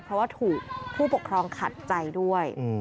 เพราะว่าถูกผู้ปกครองขัดใจด้วย